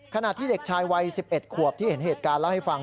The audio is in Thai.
ขณะที่เด็กชายวัย๑๑ขวบที่เห็นเหตุการณ์เล่าให้ฟัง